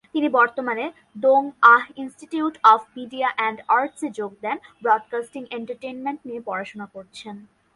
তিনি বর্তমানে Dong Ah Institute of Media and আর্টস-এ যোগ দেন, ব্রডকাস্টিং এন্টারটেইনমেন্ট নিয়ে পড়াশোনা করেছেন।